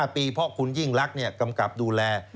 ๕ปีเพราะคุณยิ่งรักกำกับดูแล